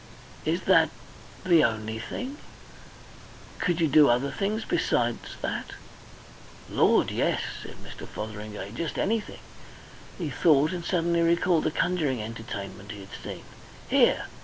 "Is that the only thing. Could you do other things besides that?" "Lord, yes!" said Mr. Fotheringay. "Just anything." He thought, and suddenly recalled a conjuring entertainment he had seen. "Here!"